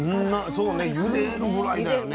そうねゆでるぐらいだよね